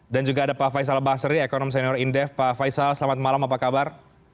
dan juga ada pak faisal basri ekonom senior indef pak faisal selamat malam apa kabar